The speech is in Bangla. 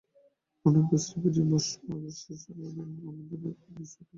অন্তত শ্রীজীর ভস্মাবশেষ ঐ দিনের জন্য আমাদের নিজস্ব জমিতে লইয়া গিয়া পূজা করিতেই হইবে।